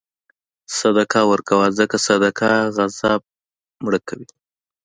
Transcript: صدقه ورکوه، ځکه صدقه غضب مړه کوي.